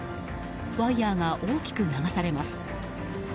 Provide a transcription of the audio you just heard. ワイヤが大きく流されます。